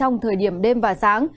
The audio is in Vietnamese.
nhiệm đêm và sáng